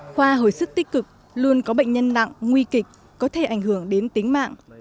khoa hồi sức tích cực luôn có bệnh nhân nặng nguy kịch có thể ảnh hưởng đến tính mạng